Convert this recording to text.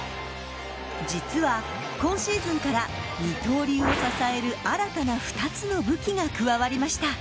実は今シーズンから二刀流を支える新たな２つの武器が加わりました。